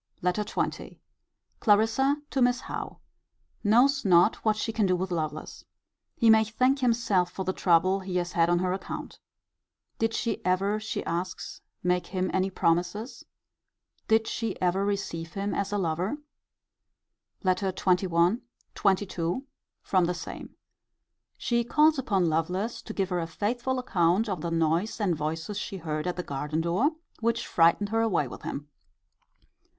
LETTER XX. Clarissa to Miss Howe. Knows not what she can do with Lovelace. He may thank himself for the trouble he has had on her account. Did she ever, she asks, make him any promises? Did she ever receive him as a lover? LETTER XXI. XXII. From the same. She calls upon Lovelace to give her a faithful account of the noise and voices she heard at the garden door, which frightened her away with him.